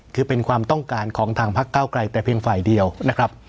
คือเป็นความต้องการของทางพักเก้าไกลแต่เพียงฝ่ายเดียวนะครับ